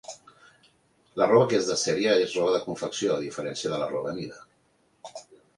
La roba que és de sèrie és roba de confecció, a diferència de la roba a mida.